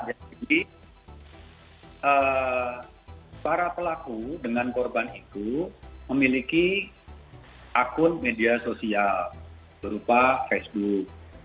jadi para pelaku dengan korban itu memiliki akun media sosial berupa facebook